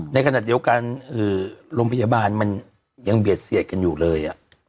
ในขณะเดียวกันโรงพยาบาลมันยังเบียดเสียดกันอยู่เลย